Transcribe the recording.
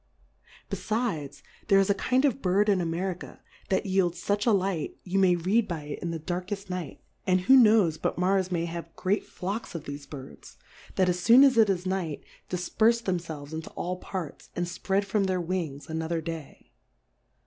Befides, there is a kind of* Bird in America^ that yields fuch a Light, you may read by it in the ' darkeft Night ; and who knows but Mars may have great Flocks of thefe G 4 Birds, 1 2S Difcourfes on the Birds, that as foon as it is Night, dif perfe themfelves into all Parts, and %read from their Wings another Day.